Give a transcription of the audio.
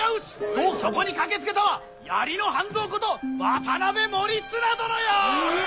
とそこに駆けつけたは槍の半蔵こと渡辺守綱殿よ！うお！